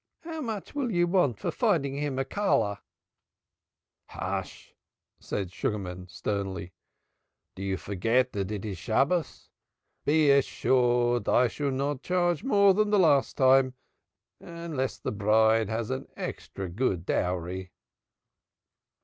How much will you want for finding him a Calloh?" "Hush!" said Sugarman sternly, "do you forget it is the Sabbath? Be assured I shall not charge more than last time, unless the bride has an extra good dowry."